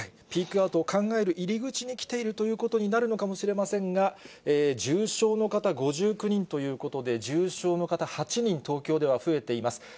ピークアウトを考える入り口になるのかもしれませんが、重症の方５９人ということで、重症の方８人、東京では増えています。